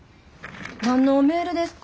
何のメールですか？